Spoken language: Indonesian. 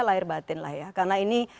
lahir batin lah ya karena ini